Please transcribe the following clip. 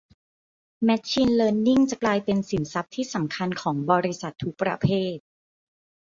แมชชีนเลิร์นนิ่งจะกลายเป็นสินทรัพย์ที่สำคัญของบริษัททุกประเภท